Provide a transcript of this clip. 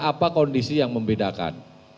apa kondisi yang membedakan